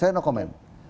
saya tidak menolak